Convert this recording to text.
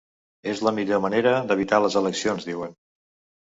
“És la millor manera d’evitar les eleccions”, diuen.